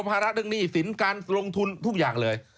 ภาระเรื่องหนี้สินการลงทุนทุกอย่างเลย